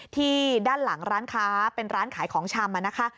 ด้านหลังร้านค้าเป็นร้านขายของชำนะคะ